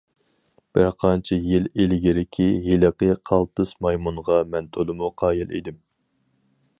بىر قانچە يىل ئىلگىرىكى ھېلىقى« قالتىس» مايمۇنغا مەن تولىمۇ قايىل ئىدىم.